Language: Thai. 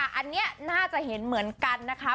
อันนี้น่าจะเห็นเหมือนกันนะคะ